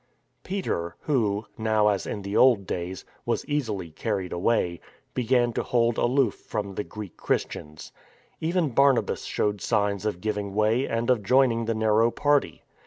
Peter, who — now, as in the old days — was easily carried away, began to hold aloof from the Greek Christians. Even Barnabas showed signs of giving way, and of joining the narrow party.